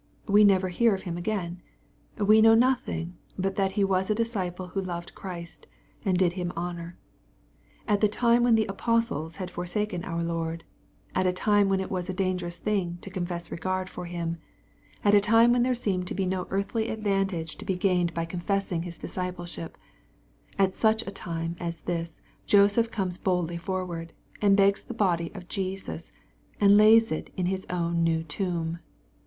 We never hear of him again. We know nothing, but that he was a disciple who loved Christ, and did Him honor. At the time when the apos tles had forsaken our Lord, — at a time when it was a dangerous thing to confess regard for Him, — ^at a time irhen there seemed to be no earthly advantage to be 400 . EXPOSITOBT THOUGHTS. gained by confessing His discipleship, — at such a time as this Joseph comes boldly forward, and begs the body of Jes'iB, and lays it in his own new tomb.